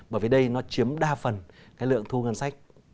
bởi vì đây nó chiếm đa phần cái lượng thu ngân sách